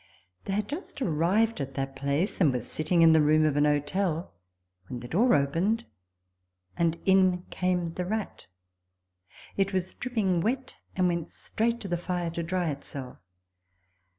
They had just arrived at that place, and were sitting in the room of an hotel, when the door opened, and in came the rat. It was dripping wet, and went straight to the fire to dry itself.